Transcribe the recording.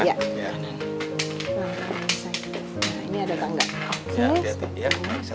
ini ada tangga